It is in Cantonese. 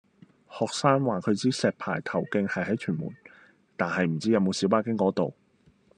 學生話佢知石排頭徑係喺屯門，但係唔知有冇小巴經嗰度